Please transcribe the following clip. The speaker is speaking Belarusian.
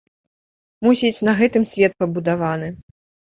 Мусіць, на гэтым свет пабудаваны.